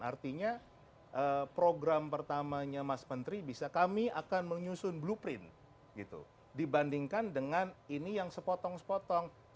artinya program pertamanya mas menteri kami akan menyusun blueprint dibandingkan dengan ini sepotong yang separuh